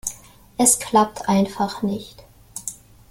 Es klappt einfach nicht.